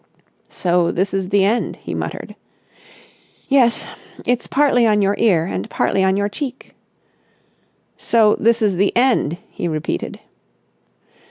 "So this is the end," he muttered. "Yes. It's partly on your ear and partly on your cheek." "So this is the end," he repeated.